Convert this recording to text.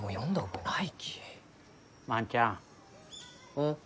うん？